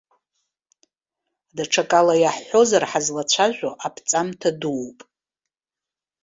Даҽакала иаҳҳәозар, ҳазлацәажәо аԥҵамҭа дууп.